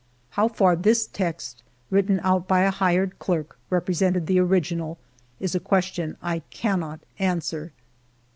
How far this text, written out by a hired clerk, represented the original, is a question I cannot answer.